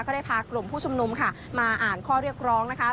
ได้พากลุ่มผู้ชุมนุมค่ะมาอ่านข้อเรียกร้องนะคะ